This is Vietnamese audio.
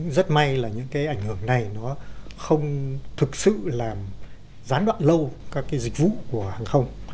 rất may là những cái ảnh hưởng này nó không thực sự làm gián đoạn lâu các cái dịch vụ của hàng không